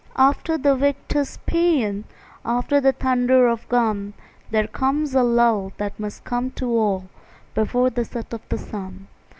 After the victor's pæan, After the thunder of gun, There comes a lull that must come to all Before the set of the sun.